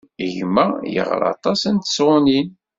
Gma yeɣra aṭas n tesɣunin.